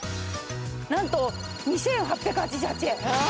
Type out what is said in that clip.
何と２，８８８円。